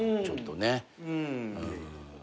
ちょっとね。